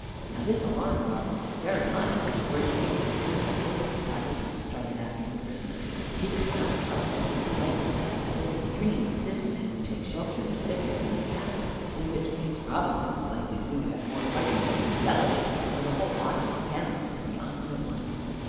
Now this alarmed Robinson very much, for it seemed to him that the whole of the savages started after the prisoner. He could not help thinking it likely that, as in his dream, this man would take shelter in the thicket round the castle, in which case Robinson was likely soon to have more fighting than he would relish, for the whole body of the cannibals would be on him at once.